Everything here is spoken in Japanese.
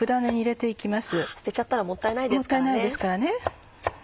捨てちゃったらもったいないですからね。